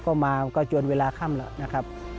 ก็มาก็จนเวลาค่ำแล้วนะครับ